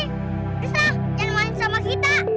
lihatlah jangan main sama kita